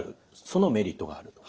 そのメリットがあると。